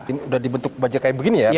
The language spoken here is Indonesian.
ini sudah dibentuk baja kayak begini ya